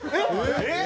えっ！